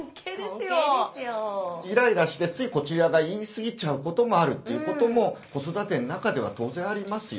イライラしてついこちらが言い過ぎちゃうこともあるということも子育ての中では当然ありますよね。